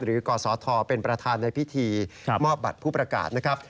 กศธเป็นประธานในพิธีมอบบัตรผู้ประกาศนะครับ